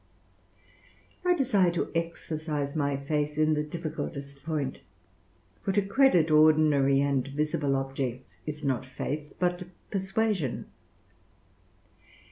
I desire to exercise my faith in the difficultest point; for to credit ordinary and visible objects is not faith, but persuasion.